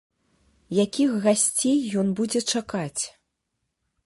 Якіх гасцей ён будзе чакаць?